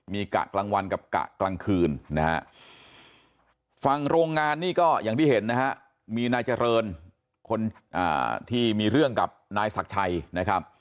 มีกะกลางวันกับกะกลางคืนนะฮะฝั่งโรงงานนี่ก็อย่างที่เห็นนะฮะมีนายเจริญคนที่มีเรื่องกับนายศักดิ์ชัยนะครับ